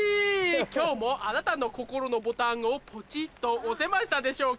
今日もあなたの心のボタンをポチっと押せましたでしょうか？